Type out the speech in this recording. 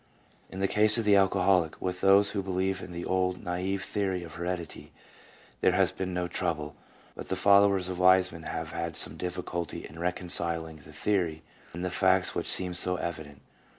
In the case of the alcoholic, with those who believe in the old, naive theory of heredity there has been no trouble ; but the followers of Weismann have had some difficulty in reconciling the theory and the facts which seem so evident.